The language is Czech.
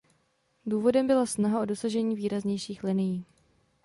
Důvodem byla snaha o dosažení výraznějších linií.